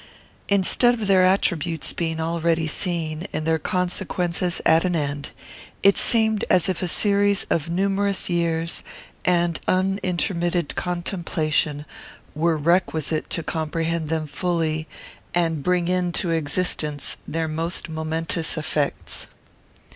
Instead of their attributes being already seen, and their consequences at an end, it seemed as if a series of numerous years and unintermitted contemplation were requisite to comprehend them fully, and bring into existence their most momentous effects.